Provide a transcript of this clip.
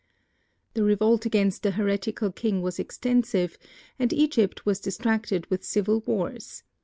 The revolt against the heretical king was extensive and Egypt was distracted with civil wars.